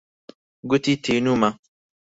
گوتی تینوومە.